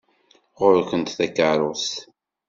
Ɣur-kent takeṛṛust!